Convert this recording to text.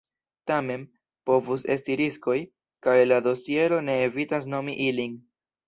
Tamen, povus esti riskoj, kaj la dosiero ne evitas nomi ilin.